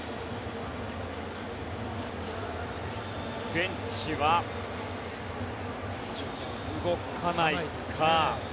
ベンチは動かないか。